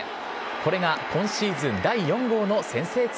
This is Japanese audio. これが今シーズン第４号の先制２